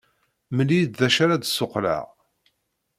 Mel-iyi-d d acu ara d-ssuqqleɣ.